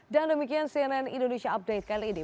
dan demikian cnn indonesia update kali ini